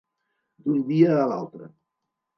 D'un dia a l'altre.